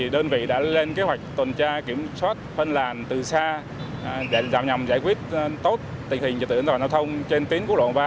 đơn vị đã lên kế hoạch tồn tra kiểm soát phân làn từ xa để làm nhầm giải quyết tốt tình hình trực tượng giao thông trên tiến quốc lộ ba